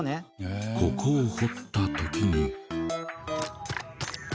ここを掘った時に。